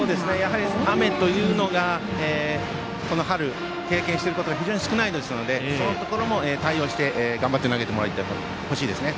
雨というのがこの春、経験していることが非常に少ないのでそこのところにも対応して頑張って投げてほしいですね。